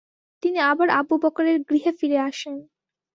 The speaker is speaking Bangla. তিনি আবার আবু বকরের গৃহে ফিরে আসেন।